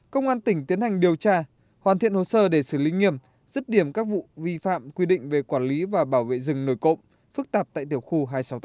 công an tỉnh tiến hành điều tra hoàn thiện hồ sơ để xử lý nghiêm dứt điểm các vụ vi phạm quy định về quản lý và bảo vệ rừng nổi cộng phức tạp tại tiểu khu hai trăm sáu mươi tám